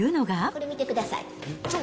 これ見てください。